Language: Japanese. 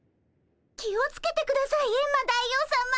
気をつけてくださいエンマ大王さま。